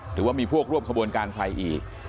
หรือว่ามีพวกร่วมขบวนการใครอีก